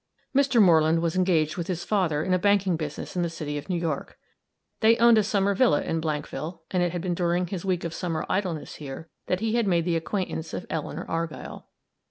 Mr. Moreland was engaged with his father in a banking business in the city of New York. They owned a summer villa in Blankville, and it had been during his week of summer idleness here that he had made the acquaintance of Eleanor Argyll.